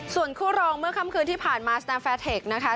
ส่วนคู่รองเมื่อค่ำคืนที่ผ่านมาสแตมแฟร์เทคนะคะ